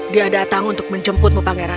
dia datang untuk menjemput pangeran